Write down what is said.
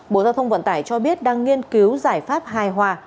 bộ giao thông vận tải cho biết đang nghiên cứu giải pháp hài hòa